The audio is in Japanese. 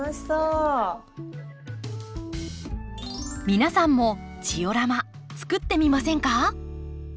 皆さんもジオラマ作ってみませんか？